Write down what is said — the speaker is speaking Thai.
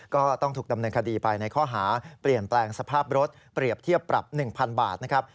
ก็ต้องถูกดำเนินคดีไปในข้อหาเปลี่ยนแปลงสภาพรถเปรียบเทียบปรับ๑๐๐๐บาทนะครับ